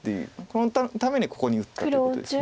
このためにここに打ったってことです。